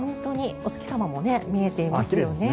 お月様も見えていますよね。